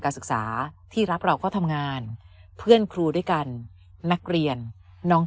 การศึกษาที่รับเราก็ทำงานเพื่อนครูด้วยกันนักเรียนน้อง